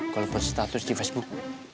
kalau buat status di facebook